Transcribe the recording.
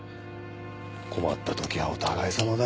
困ったときはお互いさまだよ。